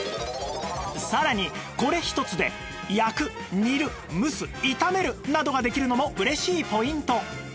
さらにこれ１つで焼く煮る蒸す炒めるなどができるのも嬉しいポイント